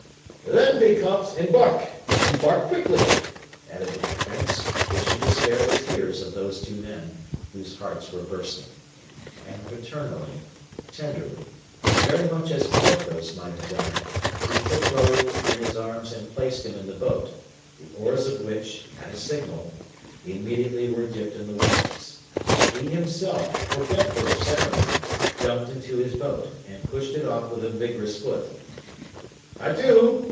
"Then, vicomte, embark embark quickly!" added the prince, wishing to spare the tears of these two men, whose hearts were bursting. And paternally, tenderly, very much as Porthos might have done, he took Raoul in his arms and placed him in the boat, the oars of which, at a signal, immediately were dipped in the waves. He himself, forgetful of ceremony, jumped into his boat, and pushed it off with a vigorous foot. "Adieu!"